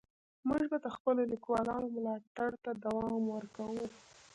موږ به د خپلو لیکوالانو ملاتړ ته دوام ورکوو.